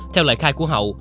theo lời khai của hậu